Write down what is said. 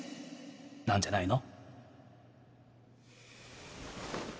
なんじゃないの？